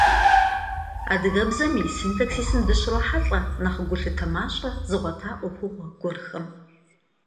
Адыгэбзэм и синтаксисым дыщрохьэлӏэ нэхъ гулъытэ мащӏэ зыгъуэта ӏуэхугъуэ гуэрхэм.